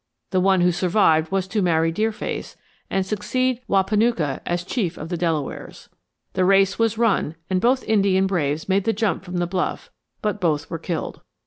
The one who survived was to marry Deerface, and succeed Wahpanucka as Chief of the Delawares. "The race was run and both Indian braves made the jump from the bluff, but both were killed.